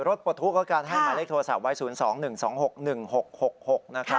รถปลดทุกของการให้หมายเลขโทรศัพท์วัย๐๒๑๒๖๑๖๖๖นะคะ